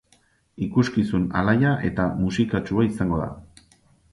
Ikuskizun alaia eta musikatsua izango da.